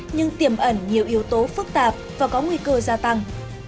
nhưng tiềm ẩn nhiều yếu tố phức tạp và có nguy cơ gia tăng